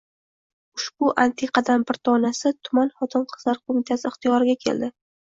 Ushbu antiqadan bir donasi tuman xotin-qizlar qo‘mitasi ixtiyoriga keldi.